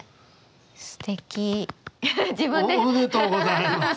すてき！おめでとうございます。